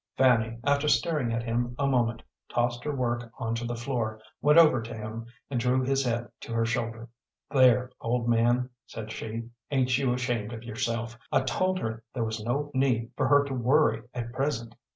Fanny, after staring at him a moment, tossed her work onto the floor, went over to him, and drew his head to her shoulder. "There, old man," said she, "ain't you ashamed of yourself? I told her there was no need for her to worry at present.